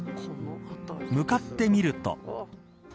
向かってみると。